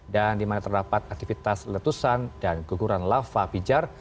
dan dimana terdapat aktivitas letusan dan guguran lava pijar